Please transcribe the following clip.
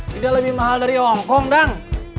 tidak lebih mahal dari hongkong dong